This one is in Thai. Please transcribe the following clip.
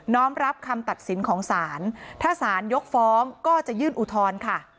้อมรับคำตัดสินของศาลถ้าศาลยกฟ้องก็จะยื่นอุทธรณ์ค่ะ